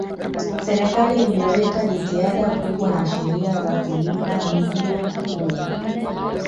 Serikali imeweka jitihada kubwa na sheria za kuulinda mjii huu